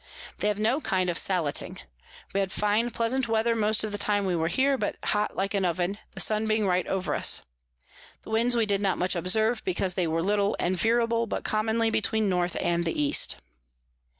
They have no kind of Salleting. We had fine pleasant Weather most of the time we were here, but hot like an Oven, the Sun being right over us. The Winds we did not much observe, because they were little and veerable; but commonly between the North and the East.